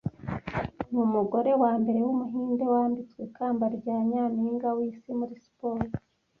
numugore wambere wumuhinde wambitswe ikamba rya Nyampinga wisi muri siporo